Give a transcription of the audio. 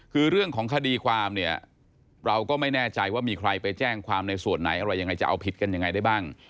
คือเรื่องของคดีความเนี่ยเราก็ไม่แน่ใจว่ามีใครไปแจ้งความในส่วนไหนอะไรยังไงจะเอาผิดกันยังไงได้บ้าง